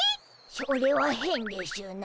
それはへんでしゅな。